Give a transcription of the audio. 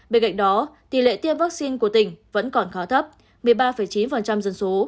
bên cạnh đó tỷ lệ tiêm vaccine của tỉnh vẫn còn khá thấp một mươi ba chín dân số